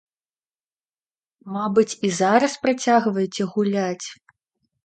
Мабыць, і зараз працягваеце гуляць?